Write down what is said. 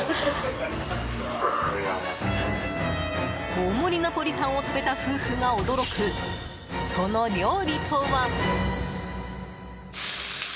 大盛りナポリタンを食べた夫婦が驚く、その料理とは？